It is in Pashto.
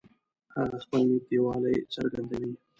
هغه خپل نږدېوالی څرګندوي